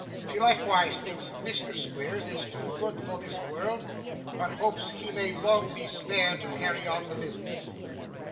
She likewise thinks Mr. Squeers is too good for this world; but hopes he may long be spared to carry on the business.